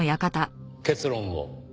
結論を。